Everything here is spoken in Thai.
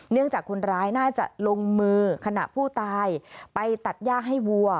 จากคนร้ายน่าจะลงมือขณะผู้ตายไปตัดย่าให้วัว